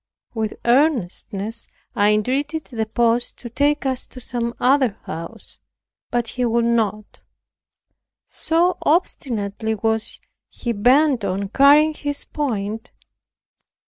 With earnestness I entreated the post to take us to some other house, but he would not; so obstinately was he bent on carrying his point.